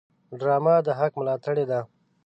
ډرامه د حق ملاتړې ده